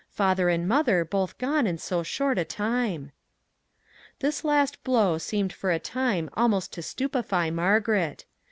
father and mother both gone in so short a time." This last blow seemed for a time almost to stupefy Margaret.